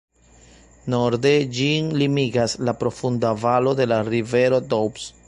Norde ĝin limigas la profunda valo de la rivero Doubs.